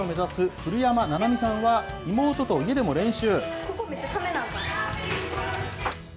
古山菜々美さんは、妹と家でも練習。